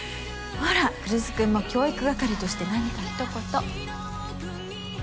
ほら来栖君も教育係として何かひと言。